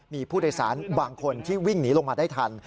มีผู้โดยสารบางคนที่วิ่งหนีลงมาได้ทัน